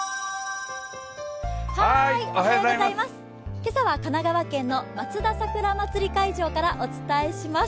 今朝は、神奈川県のまつだ桜まつり会場からお伝えします。